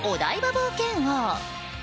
冒険王。